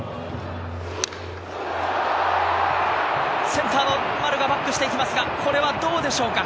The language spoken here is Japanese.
センターの丸がバックしていきますが、これはどうでしょうか？